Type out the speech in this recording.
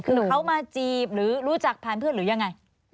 คือเขามาจีบหรือรู้จักผ่านเพื่อนหรือยังไง